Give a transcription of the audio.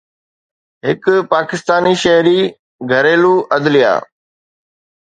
هڪ پاڪستاني شهري گهريلو عدليه